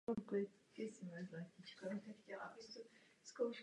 Po absolutoriu obchodní školy studoval herectví na Pražské konzervatoři.